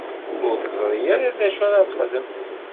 Ur teẓri ara d acu ara texdem.